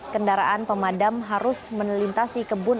kendaraan pemadam harus menelintasi kebun